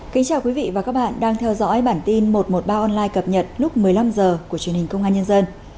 kính chào quý vị và các bạn đang theo dõi bản tin một trăm một mươi ba online cập nhật lúc một mươi năm h của truyền hình công an nhân dân